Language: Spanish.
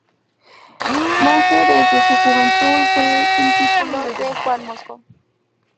Monje desde su juventud, fue discípulo de Juan Mosco.